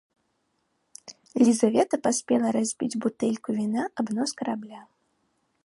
Лізавета паспела разбіць бутэльку віна аб нос карабля.